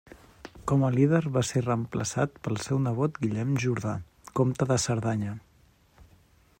Com a líder va ser reemplaçat pel seu nebot Guillem Jordà, comte de Cerdanya.